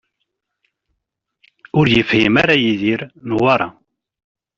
Ur yefhim ara Yidir Newwara.